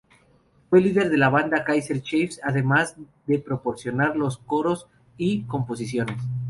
Fue líder de la banda Kaiser Chiefs, además de proporcionar los coros y composiciones.